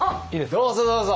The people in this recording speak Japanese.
どうぞどうぞ！